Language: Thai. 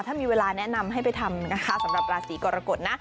ถ้ามีเวลาแนะนำให้ไปทำนะคะสำหรับราศีกรกฎนะ